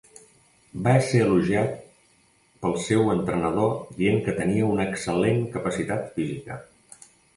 Va ser elogiat pel seu entrenador dient que tenia una excel·lent capacitat física.